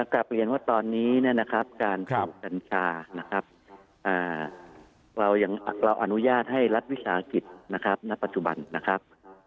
กลับเรียนว่าตอนนี้เนี่ยนะครับการปลูกกัญชานะครับเราอนุญาตให้รัฐวิสาหกิจนะครับณปัจจุบันนะครับ